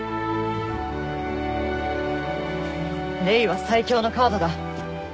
レイは最強のカードだ。